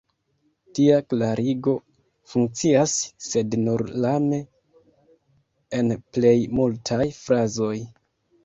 Tia klarigo funkcias, sed nur lame, en plej multaj frazoj.